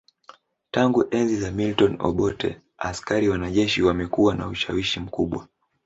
Tangu enzi za Milton Obote askari wanajeshi wamekuwa na ushawishi mkubwa